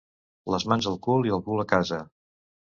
Les mans al cul i el cul a casa.